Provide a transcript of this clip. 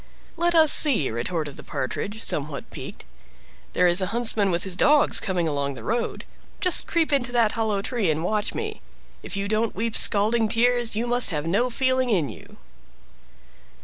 "Let us see," retorted the Partridge, somewhat piqued; "there is a huntsman with his dogs coming along the road. Just creep into that hollow tree and watch me; if you don't weep scalding tears, you must have no feeling in you!"